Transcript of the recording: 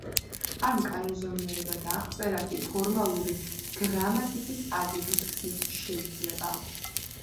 ამ კანონზომიერებათა აღწერა კი ფორმალური გრამატიკის აგების გზით შეიძლება.